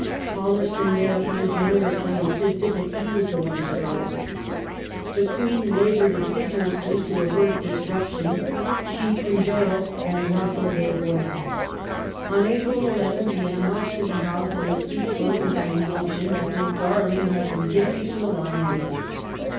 Palmerston, there upon, generously insisted that he was the one to go. The Queen laboured assiduously to avert disruption ; she prevailed, and Russell gave way. On April 11th he announced to the House, in a speech broken by emotion, that his darling had been given to the lions.